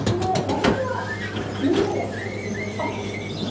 私はみんなでやってたので緊張しなかったんですけど。